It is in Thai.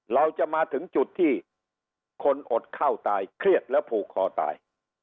เราจะมาถึงจุดที่คนอดเข้าตายเครียดแล้วผูกคอตาย